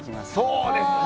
そうですか。